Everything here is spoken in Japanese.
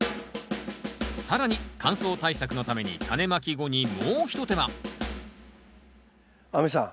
更に乾燥対策のためにタネまき後にもう一手間亜美さん